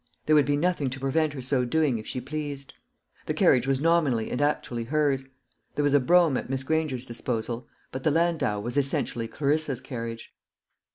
There would be nothing to prevent her so doing if she pleased. The carriage was nominally and actually hers. There was a brougham at Miss Granger's disposal; but the landau was essentially Clarissa's carriage.